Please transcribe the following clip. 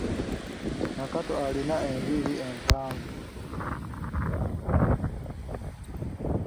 Nakato alina enviiri empanvu.